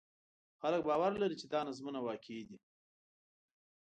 خلک باور لري چې دا نظمونه واقعي دي.